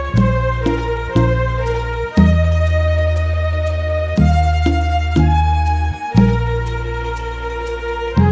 ทำงานได้ดีนะ